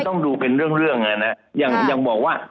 มันต้องดูเป็นเรื่องอย่างบอกว่า